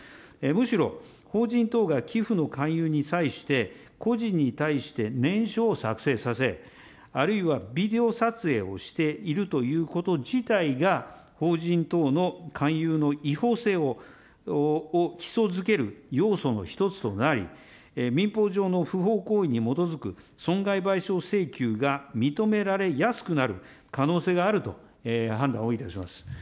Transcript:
むしろ、法人等が寄付の勧誘に際して、個人に対して念書を作成させ、あるいはビデオ撮影をしているということ自体が法人等の勧誘の違法性を基礎づける要素の一つとなり、民法上の不法行為に基づく損害賠償請求が認められやすくなる可能委員長。